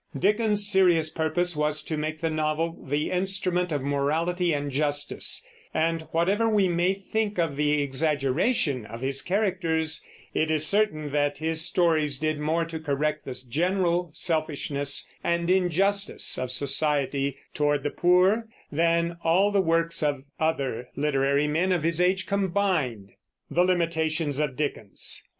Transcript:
Dickens's serious purpose was to make the novel the instrument of morality and justice, and whatver we may think of the exaggeration of his characters, it is certain that his stories did more to correct the general selfishness and injustice of society toward the poor than all the works of other literary men of his age combined. THE LIMITATIONS OF DICKENS.